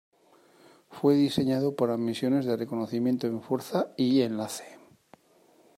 Fue diseñado para misiones de reconocimiento en fuerza y enlace.